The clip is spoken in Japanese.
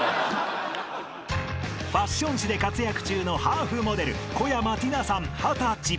［ファッション誌で活躍中のハーフモデル小山ティナさん二十歳］